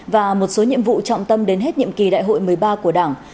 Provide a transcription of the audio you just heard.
và một số nhiệm vụ trọng tâm đến hết nhiệm kỳ đại hội một mươi ba của đảng